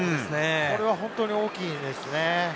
これは本当に大きいですね。